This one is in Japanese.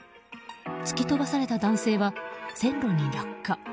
突き飛ばされた男性は線路に落下。